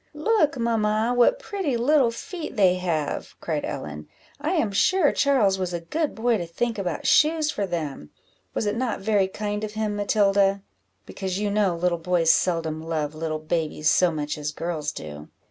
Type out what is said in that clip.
"Look, mamma! what pretty little feet they have," cried Ellen; "I am sure Charles was a good boy to think about shoes for them was it not very kind of him, Matilda? because you know little boys seldom love little babies so much as girls do."